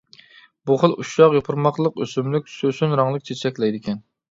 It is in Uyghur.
بۇ خىل ئۇششاق يوپۇرماقلىق ئۆسۈملۈك سۆسۈن رەڭلىك چېچەكلەيدىكەن.